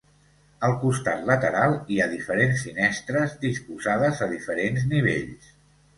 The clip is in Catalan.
Al costat lateral hi ha diferents finestres disposades a diferents nivells.